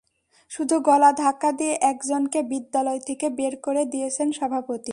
শুধু গলা ধাক্কা দিয়ে একজনকে বিদ্যালয় থেকে বের করে দিয়েছেন সভাপতি।